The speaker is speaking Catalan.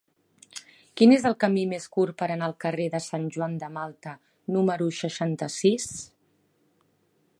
Quin és el camí més curt per anar al carrer de Sant Joan de Malta número seixanta-sis?